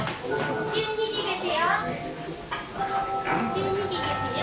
１２時ですよ。